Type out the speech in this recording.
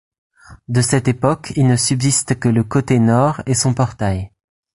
De cette époque, il ne subsiste que le côté Nord et son portail.